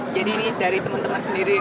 jadi ini dari teman teman sendiri